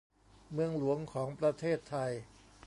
เมืองหลวงของประเทศไทย